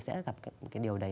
sẽ gặp cái điều đấy